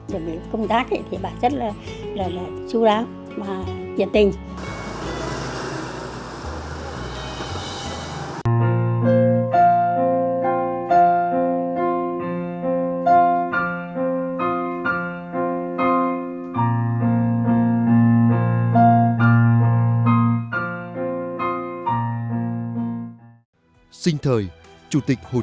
để công tác thì bà rất là chú đáo và nhiệt tình